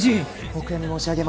お悔やみ申し上げます。